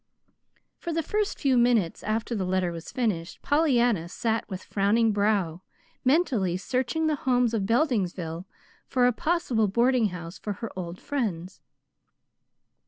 For the first few minutes after the letter was finished, Pollyanna sat with frowning brow, mentally searching the homes of Beldingsville for a possible boarding house for her old friends.